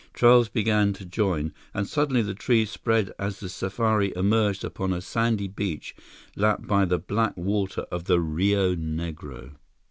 Trails began to join, and suddenly the trees spread as the safari emerged upon a sandy beach lapped by the black water of the Rio Negro.